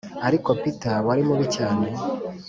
ariko peter, wari mubi cyane,